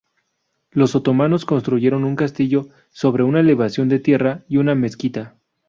Los otomanos construyeron un castillo sobre una elevación de tierra y una mezquita.